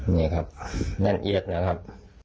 นี่ครับแน่นเอียดนะครับ